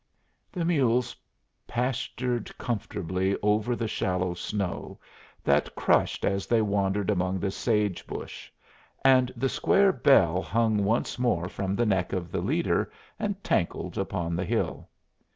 The mules pastured comfortably over the shallow snow that crushed as they wandered among the sage bush, and the square bell hung once more from the neck of the leader and tankled upon the hill.